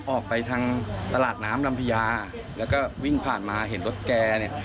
ออกไปทางตลาดน้ำลำพญาแล้วก็วิ่งผ่านมาเห็นรถแกเนี่ย